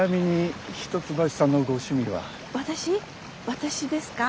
私ですか。